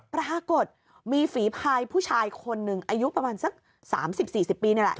ปรากฏมีฝีพายผู้ชายคนหนึ่งอายุประมาณสัก๓๐๔๐ปีนี่แหละ